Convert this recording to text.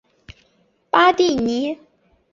巴蒂尼。